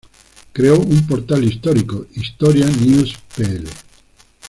Creó un portal histórico historia-news.pl.